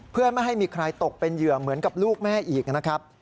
เพื่อไม่ให้มีใครตกเป็นเหยื่อเหมือนกับลูกแม่อีกนะครับ